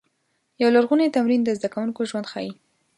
یو لرغونی تمرین د زده کوونکو ژوند ښيي.